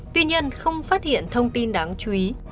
tuy nhiên không phát hiện thông tin đáng chú ý